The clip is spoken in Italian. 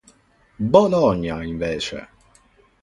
Bologna invece!